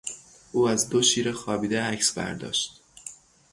او از دو شیر خوابیده عکس برداشت.